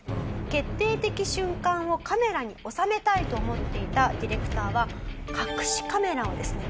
決定的瞬間をカメラに収めたいと思っていたディレクターは隠しカメラをですね